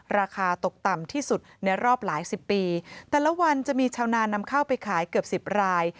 ราคาตกต่ำที่สุดในรอบหลายสิบปีแต่ละวันจะมีชาวนานำข้าวไปขายเกือบสิบราย